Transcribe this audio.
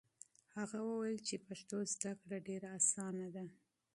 هغه وویل چې پښتو زده کړه ډېره اسانه ده.